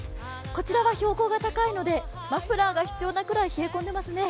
こちらは標高が高いのでマフラーが必要なくらい冷え込んでいますね。